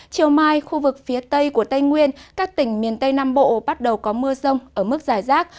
chiều mai khu vực phía tây của tây nguyên các tỉnh miền tây nam bộ bắt đầu có mưa rông ở mức dài rác